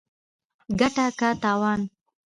ګټه که تاوان